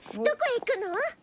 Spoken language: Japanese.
どこへ行くの？